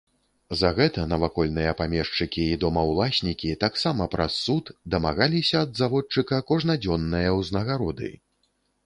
За гэта навакольныя памешчыкі і домаўласнікі таксама праз суд дамагаліся ад заводчыка кожнадзённае ўзнагароды.